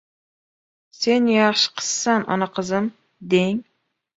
«Sen yaxshi qizsan ona qizim» deng!